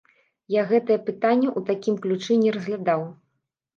Я гэтае пытанне ў такім ключы не разглядаў.